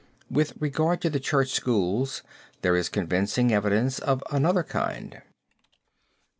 With regard to the church schools there is convincing evidence of another kind.